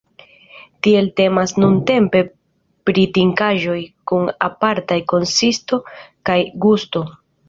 Tial temas nuntempe pri trinkaĵo kun apartaj konsisto kaj gusto.